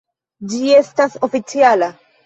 Ĝi estas oficiala!